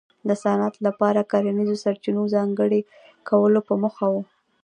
د صنعت لپاره کرنیزو سرچینو ځانګړي کولو په موخه و.